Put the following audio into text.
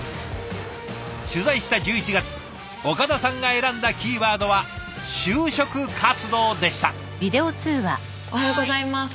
取材した１１月岡田さんが選んだキーワードは「就職活動」でした。